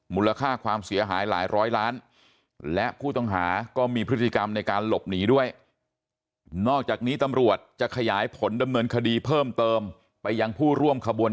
มูลค่าความเสียหายหลายร้อยล้านและผู้ต้องหาก็มีพฤติกรรมในการหลบหนีด้วย